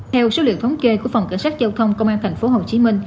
theo số liệu thống kê của phòng cảnh sát dâu thông công an tp hcm